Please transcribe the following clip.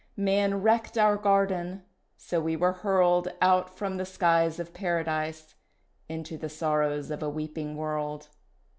"Man wrecked our garden, so we were hurled Out from the skies Of Paradise Into the sorrows of a weeping world.